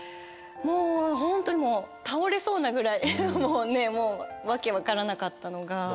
もうホントに倒れそうなぐらいもうね訳分からなかったのが。